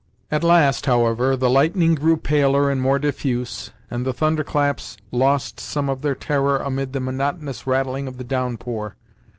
At last, however, the lightning grew paler and more diffuse, and the thunderclaps lost some of their terror amid the monotonous rattling of the downpour.